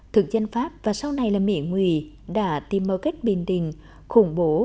thượng dân pháp và sau này là mỹ nguy đã tìm mơ cách bình đình khủng bố